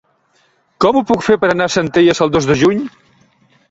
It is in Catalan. Com ho puc fer per anar a Centelles el dos de juny?